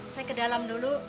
saya ke dalam dulu